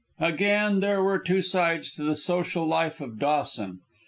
Again, there were two sides to the social life of Dawson.